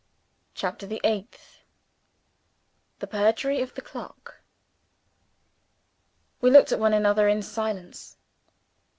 CHAPTER THE EIGHTH The Perjury of the Clock WE looked at one another in silence.